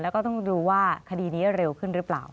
แล้วก็ต้องดูว่าคดีนี้เร็วขึ้นหรือเปล่า